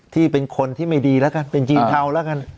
ที่เป็นคนที่ไม่ดีแล้วกันเป็นจีนเทาแล้วกัน